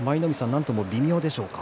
なんとも微妙でしょうか。